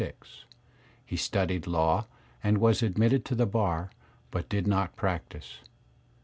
He studied law and was admitted to the bar, but did not practise.